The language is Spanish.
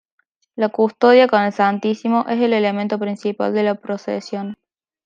La Custodia con el Santísimo es el elemento principal de la Procesión.